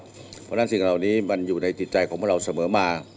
เพราะฉะนั้นสิ่งเหล่านี้มันอยู่ในจิตใจของพวกเราเสมอมา